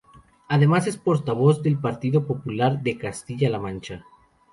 Además es portavoz del Partido Popular de Castilla-La Mancha.